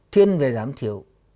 thiên về giảm thiểu